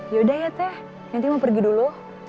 yaudah ya teh nanti mau pergi dulu